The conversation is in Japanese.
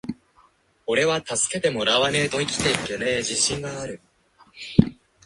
｢おれは助けてもらわねェと生きていけねェ自信がある!!!｣